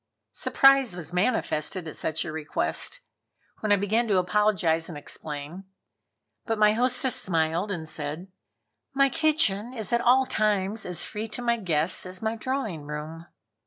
Surprise was manifested at such a request, when I began to apologize and explain. But my hostess smiled and said: "My kitchen is at all times as free to my guests as my drawing room."